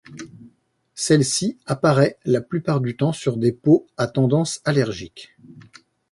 Celle-ci apparaît la plupart du temps sur des peaux à tendance allergique.